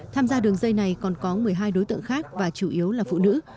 tham gia đường dây này còn có một mươi hai đối tượng khác và chủ yếu là phụ nữ